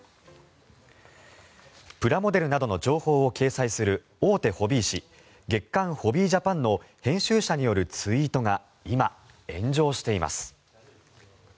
プラモデルなどの情報を掲載する大手ホビー誌「月刊ホビージャパン」の編集者によるツイートが今、炎上しています。